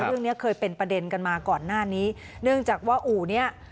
เรื่องนี้เคยเป็นประเด็นกันมาก่อนหน้านี้เนื่องจากว่าอู่เนี้ย